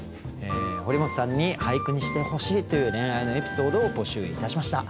「堀本さんに俳句にしてほしい」という恋愛のエピソードを募集いたしました。